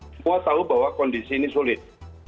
semua tahu bahwa kondisi ini sulit